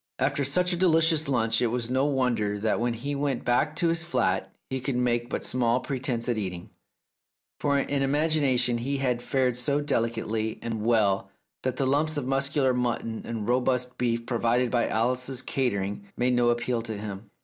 After such a delicious lunch it was no wonder that when he went back to his flat he could make but 284 The Tragedy of Oliver Bowman small pretence at eating, for in imagination he had fared so delicately and well that the lumps of mus cular mutton and robust beef provided by Alice's catering made no appeal to him.